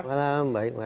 selamat malam baik